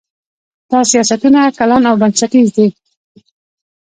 دا سیاستونه کلان او بنسټیز دي.